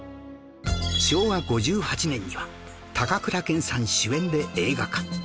昭和５８年には高倉健さん主演で映画化